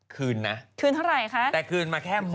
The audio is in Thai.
คืนนะแต่คืนมาแค่หมื่นคืนเท่าไหร่คะ